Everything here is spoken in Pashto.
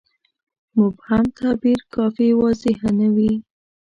مبهم تعبیر کافي واضحه نه وي.